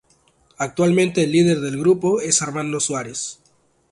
Actualmente el líder del grupo es Armando Suárez.